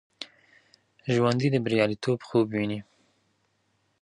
ژوندي د بریالیتوب خوب ویني